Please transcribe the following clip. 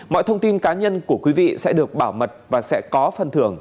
mọi thông tin cá nhân của quý vị sẽ được bảo mật và sẽ có phần thưởng